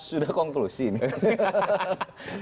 sudah konklusi nih